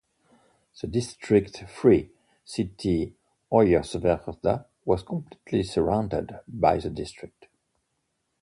The district-free city Hoyerswerda was completely surrounded by the district.